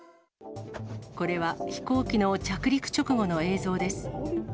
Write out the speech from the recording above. これは飛行機の着陸直後の映像です。